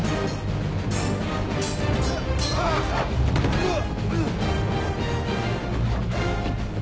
うわっ！